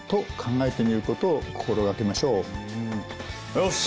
よし。